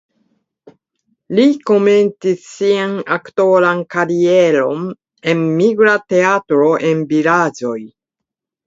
Li komencis sian aktoran karieron en migra teatro en vilaĝoj.